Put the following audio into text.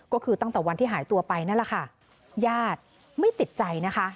ก็คือตั้งแต่วันที่หายตัวไปนั่นแหละค่ะญาติไม่ติดใจนะคะ